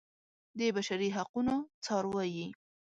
د بشري حقونو څار وايي.